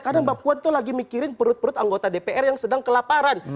karena mbak puan itu lagi mikirin perut perut anggota dpr yang sedang kelaparan